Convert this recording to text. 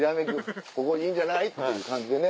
ここいいんじゃない？っていう感じでね。